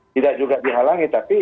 tidak juga dihalangi tapi